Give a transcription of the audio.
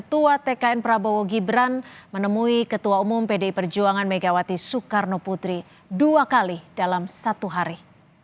ketua tkn prabowo gibran menemui ketua umum pdi perjuangan megawati soekarno putri dua kali dalam satu hari